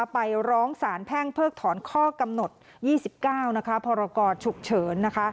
ไปร้องสารแพ่งเพิกถอนข้อกำหนด๒๙พรกชุกเฉิน